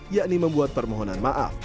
yakni membuat permohonan maaf